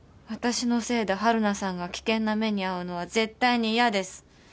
私のせいで晴汝さんが危険な目に遭うのは絶対に嫌です。